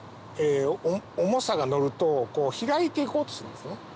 重さが乗ると開いて行こうとするんですね。